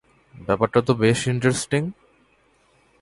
ব্যাপারটা তো বেশ ইন্টারেস্টিং!